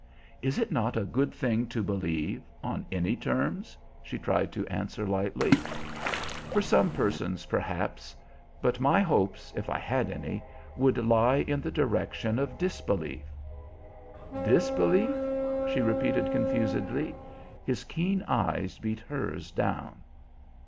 "Is it not a good thing to believe, on any terms?" she tried to answer lightly. "For some persons, perhaps. But my hopes, if I had any, would lie in the direction of disbelief." "Disbelief?" she repeated confusedly. His keen eyes beat hers down.